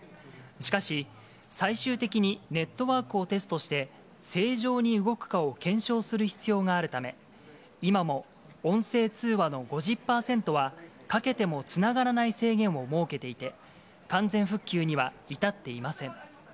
しかし、最終的にネットワークをテストして、正常に動くかを検証する必要があるため、今も音声通話の５０％は、かけてもつながらない制限を設けていて、完全復旧には至っていません。